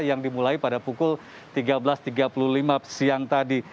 yang dimulai pada pukul tiga belas tiga puluh lima siang tadi